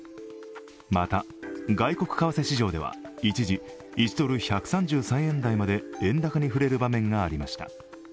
また、外国為替市場では一時、１ドル＝１３３円台まで円高に振れる場面がありました。